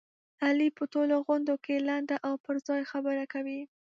علي په ټولو غونډوکې لنډه او پرځای خبره کوي.